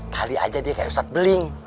tali aja dia kayak ustadz beling